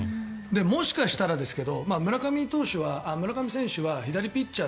もしかしたらですけど村上選手は左ピッチャー